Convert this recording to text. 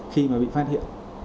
khi mà bị phát hiện